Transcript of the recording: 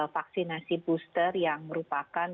vaksinasi booster yang merupakan